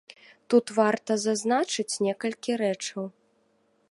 Тут варта зазначыць некалькі рэчаў.